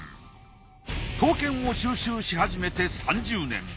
刀剣を収集し始めて３０年。